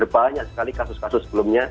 banyak sekali kasus kasus sebelumnya